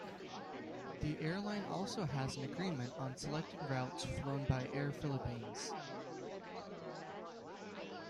The airline also has an agreement on selected routes flown by Air Philippines.